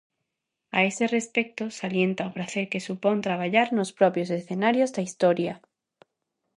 A ese respecto, salienta o pracer que supón traballar nos propios escenarios da historia.